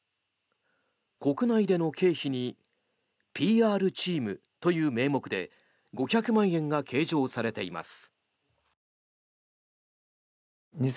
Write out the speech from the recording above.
国内での経費にＰＲＴｅａｍという名目で５００万円が計上されています。